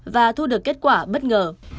và thu được kết quả bất ngờ